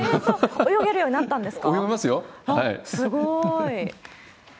泳げるようになったんですか？